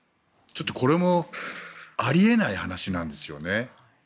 ちょっとこれもあり得ない話なんですよね。